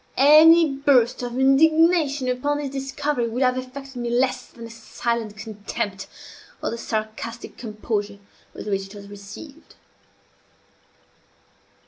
Any burst of indignation upon this discovery would have affected me less than the silent contempt, or the sarcastic composure, with which it was received.